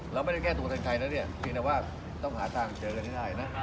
เราไม่ได้แก้ตรงใจใครนะเนี่ยจริงแต่ว่าต้องหาตังค์เจอกันให้ได้นะ